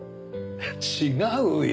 違うよ。